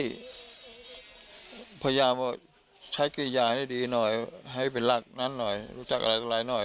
เฮ้ยพระยาวะใช้กรียายได้ดีหน่อยให้เป็นรักนั้นหน่อยรู้จักอะไรหน่อย